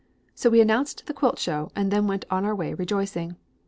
So we announced the quilt show and then went on our way rejoicing.